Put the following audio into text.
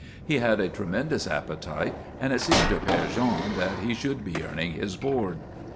He had a tremendous appetite, and it seemed to Père Jean that he should be earning his board.